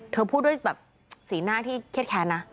เธอพูดด้วยสีหน้าที่แคลร์น่ะ